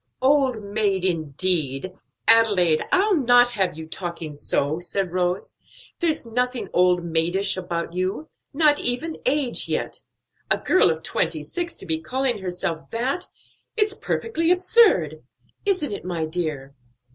"Old maid, indeed! Adelaide, I'll not have you talking so," said Rose. "There's nothing old maidish about you; not even age yet; a girl of twenty six to be calling herself that! it's perfectly absurd. Isn't it, my dear?"